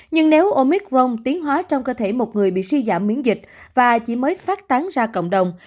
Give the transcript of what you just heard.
nhưng nếu omicron tiến hóa trong cơ thể một người bị suy giảm miễn dịch và chỉ mới phát tán ra cộng đồng